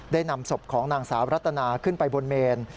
นำศพของนางสาวรัตนาขึ้นไปบนเมน